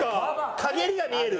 陰りが見える。